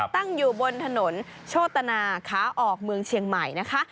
ตั้งอยู่บนถนนโชตนาขาออกเมืองเชียงใหม่นะคะ